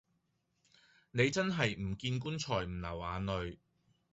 你真係唔見棺材唔流眼淚